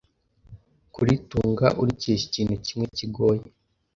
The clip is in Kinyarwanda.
kuritunga urikesha ikintu kimwe kigoye.